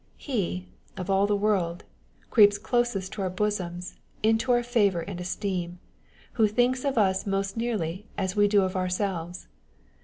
He (of all the world) creeps closest to our bosoms, into our favour and esteem, who thinks of us most nearly as we do of ourselves.